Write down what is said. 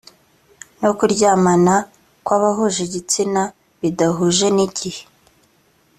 no kuryamana kw abahuje igitsina bidahuje n igihe